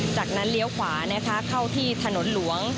จากนั้นเลี้ยวขวานะคะเข้าที่ถนนหลวง